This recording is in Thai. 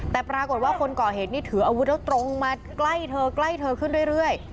แต่ปรากฏว่าคนก่อเหตุนี่ถืออาวุธแล้วตรงมาใกล้เธอใกล้เธอขึ้นเรื่อย